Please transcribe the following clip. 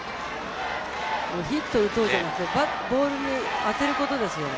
ヒットを打とうじゃなくてボールに当てることですよ。